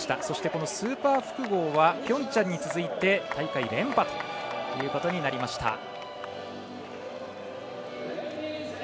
そして、スーパー複合はピョンチャンに続いて大会連覇ということになりました。